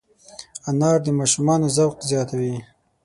انار د ماشومانو ذوق زیاتوي.